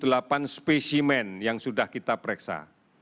dalam kesempatan antigen yang sudah kita periksa